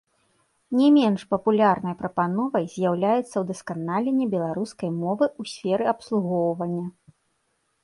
Не менш папулярнай прапановай з'яўляецца ўдасканаленне беларускай мовы ў сферы абслугоўвання.